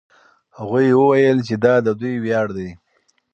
هغوی وویل چې دا د دوی ویاړ دی.